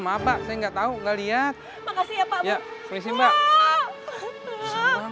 ya pak saya nggak tahu nggak lihat makasih ya pak ya